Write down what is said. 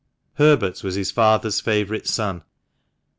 Herbert was his father's favourite son.